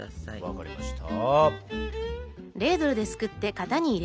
分かりました。